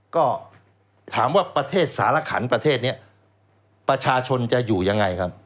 ก็ถามว่าประเทศสารขันประเทศนี้ประชาชนจะอยู่ยังไงครับ